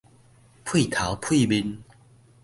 呸頭呸面